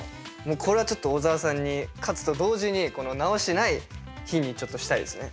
これはちょっと小沢さんに勝つと同時に直しない日にしたいですね。